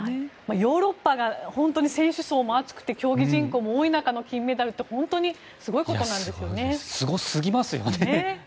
ヨーロッパが本当に選手層も厚くて競技人口も多い中の金メダルってすごすぎますよね。